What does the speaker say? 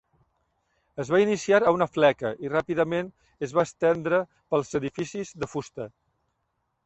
Es va iniciar a una fleca i ràpidament es va estendre pels edificis de fusta.